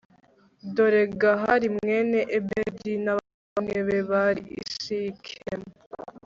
dore gahali mwene ebedi n'abavandimwe be bari i sikemu